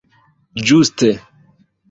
Ĝuste.